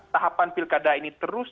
tahapan pilkada ini terus